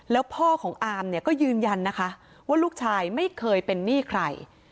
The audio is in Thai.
แล้วพ่อของอามเนี่ยก็ยืนยันนะคะว่าลูกชายไม่เคยเป็นหนี้ใคร